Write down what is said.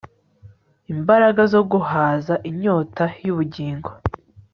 Imbaraga zo guhaza inyota yubugingo